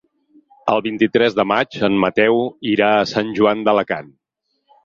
El vint-i-tres de maig en Mateu irà a Sant Joan d'Alacant.